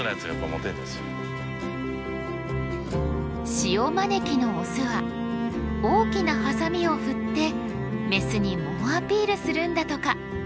シオマネキのオスは大きなハサミを振ってメスに猛アピールするんだとか。